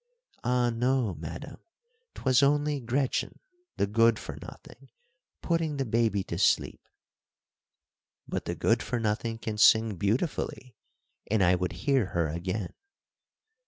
"Ah, no, madam, 'twas only Gretchen, the Good for Nothing, putting the baby to sleep." "But the Good for Nothing can sing beautifully, and I would hear her again."